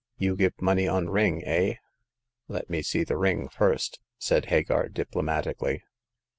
" You give money on ring, eh !"Let me see the ring first," said Hagar, diplo matically.